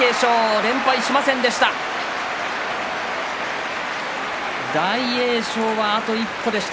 連敗はしませんでした。